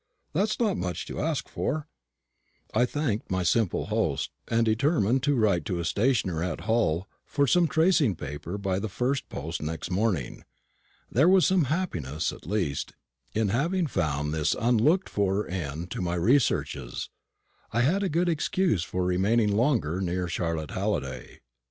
That's not much to ask for." I thanked my simple host, and determined to write to a stationer at Hull for some tracing paper by the first post next morning. There was some happiness, at least, in having found this unlooked for end to my researches. I had a good excuse for remaining longer near Charlotte Halliday.